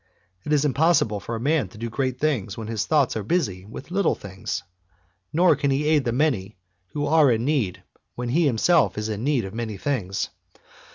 It is impossible for a man to do great things when his thoughts are busy with little things; nor can he aid the many who are in need when he himself is in need of many things.